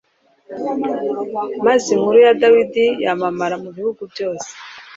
maze inkuru ya dawidi yamamara mu bihugu byose